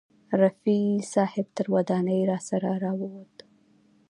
رفیع صاحب تر ودانۍ راسره راوووت.